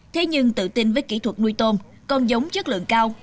thế nhưng tự tin với kỹ thuật nuôi tôm con giống chất lượng cao